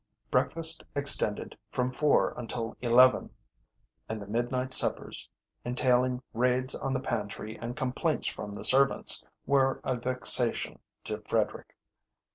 Breakfast extended from four until eleven, and the midnight suppers, entailing raids on the pantry and complaints from the servants, were a vexation to Frederick.